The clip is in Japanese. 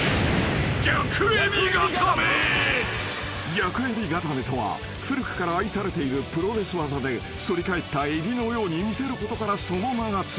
［逆エビ固めとは古くから愛されているプロレス技で反り返ったエビのように見せることからその名が付いた］